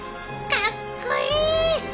かっこいい！